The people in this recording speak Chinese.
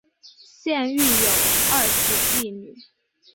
现育有二子一女。